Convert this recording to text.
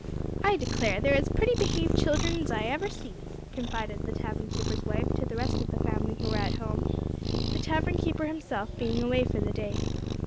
"I declare, they're as pretty behaved children's I ever see," confided the tavern keeper's wife to the rest of the family who were at home, the tavern keeper himself being away for the day.